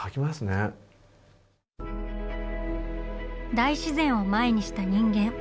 大自然を前にした人間。